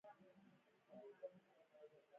دوی وايي چې څنګه چلند وکړو.